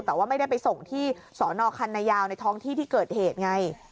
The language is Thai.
แต่ว่าไม่ได้ไปส่งที่สอนอคันนายาวในท้องที่ที่เกิดเหตุไง